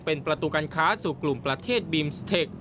เป็นประตูการค้าสู่กลุ่มประเทศบีมสเทค